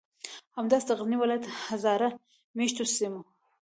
همداسې د غزنی ولایت د هزاره میشتو سیمو